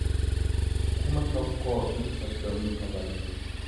kuma tokkoo fi soddomii sagal